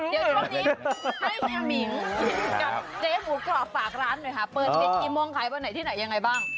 เดี๋ยวช่วงนี้ให้เฮียมิงกับเจ๊หมูกรอบฝากร้านนึงเปิดปีนที่มองใครบางที่ไหนยังไงบ้าง